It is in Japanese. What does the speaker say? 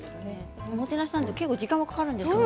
おもてなしなので時間がかかるんですよね。